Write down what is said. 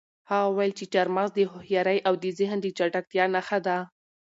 هغه وویل چې چهارمغز د هوښیارۍ او د ذهن د چټکتیا نښه ده.